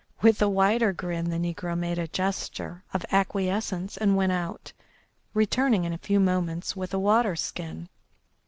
With a wider grin the negro made a gesture of acquiescence and went out, returning in a few moments with a water skin.